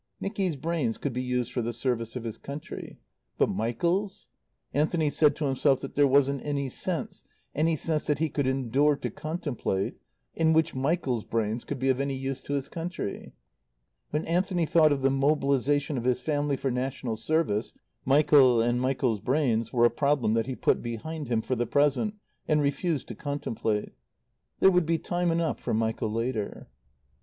Nicky's brains could be used for the service of his country. But Michael's? Anthony said to himself that there wasn't any sense any sense that he could endure to contemplate in which Michael's brains could be of any use to his country. When Anthony thought of the mobilization of his family for national service, Michael and Michael's brains were a problem that he put behind him for the present and refused to contemplate. There would be time enough for Michael later.